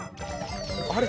あれ？